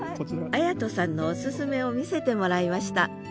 礼人さんのオススメを見せてもらいましたあ